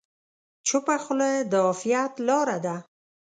چپه خوله، د عافیت لاره ده.